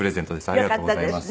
ありがとうございます。